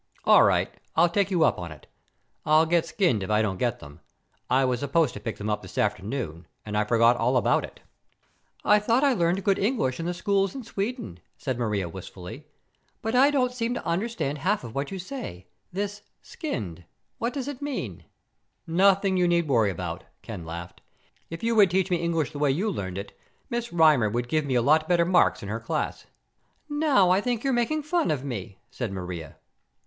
"All right, I'll take you up on it. I'll get skinned if I don't get them. I was supposed to pick them up this afternoon and I forgot all about it." "I thought I learned good English in the schools in Sweden," said Maria wistfully, "but I don't seem to understand half what you say. This 'skinned' what does that mean?" "Nothing you need to worry about," Ken laughed. "If you would teach me English the way you learned it, Miss Rymer would give me a lot better marks in her class." "Now I think you're making fun of me," said Maria.